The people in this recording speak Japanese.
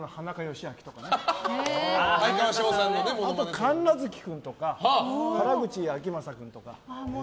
あと神奈月君とか原口あきまさ君とか。